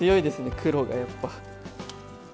黒がやっぱ。